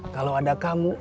kalau ada kamu